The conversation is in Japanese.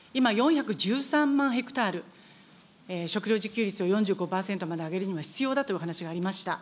今４１３万ヘクタール、食料自給率を４５％にまで上げるには必要だというお話がありました。